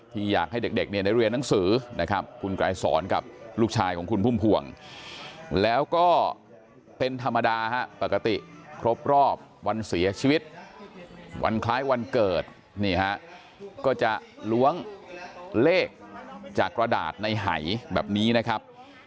อยากให้เด็กเนี่ยได้เรียนหนังสือนะครับคุณไกรสอนกับลูกชายของคุณพุ่มพวงแล้วก็เป็นธรรมดาฮะปกติครบรอบวันเสียชีวิตวันคล้ายวันเกิดนี่ฮะก็จะล้วงเลขจากกระดาษในหายแบบนี้นะครับ